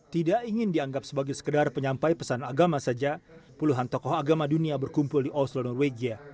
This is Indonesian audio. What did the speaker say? tidak ingin dianggap sebagai sekedar penyampai pesan agama saja puluhan tokoh agama dunia berkumpul di oslo norwegia